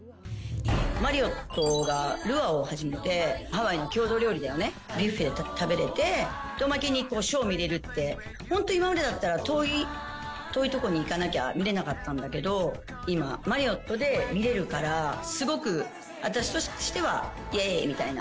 マリオットがルアウを始めて、ハワイの郷土料理だよね、ビュッフェ食べれて、おまけにショー見れるって、本当に今までだったら遠い、遠い所に行かなきゃ見れなかったんだけど、今、マリオットで見れるから、すごく私としては、いえーいみたいな。